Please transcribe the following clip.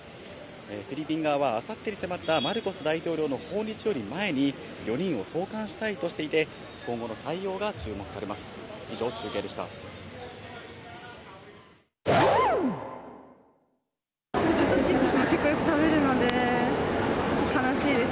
フィリピン側はあさってに迫ったマルコス大統領の訪日より前に、４人を送還したいとしていて、今後の対応が注目されます。